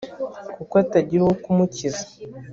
kuko atagira uwo kumukiza